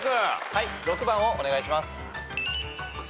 はい６番をお願いします。